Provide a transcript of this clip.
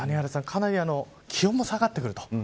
かなり気温も下がってくると。